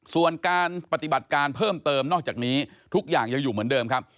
ส่วนการปฏิบัติการเพิ่มเติมนอกจากนี้ทุกอย่างยังอยู่เหมือนเดิมครับ